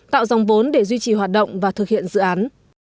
tạo dòng vốn để duy trì hoạt động và thực hiện dự án